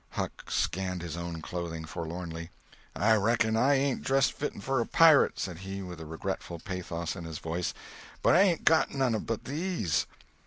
Huck scanned his own clothing forlornly. "I reckon I ain't dressed fitten for a pirate," said he, with a regretful pathos in his voice; "but I ain't got none but these."